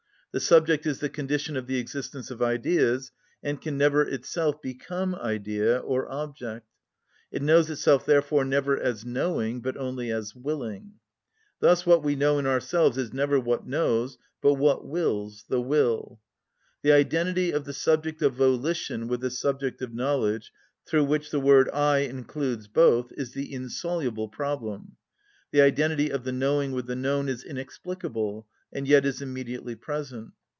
The subject is the condition of the existence of ideas, and can never itself become idea or object. It knows itself therefore never as knowing, but only as willing. Thus what we know in ourselves is never what knows, but what wills, the will. The identity of the subject of volition with the subject of knowledge, through which the word "I" includes both, is the insoluble problem. The identity of the knowing with the known is inexplicable, and yet is immediately present.